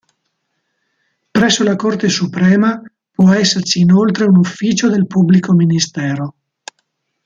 Presso la corte suprema può esserci inoltre un ufficio del pubblico ministero.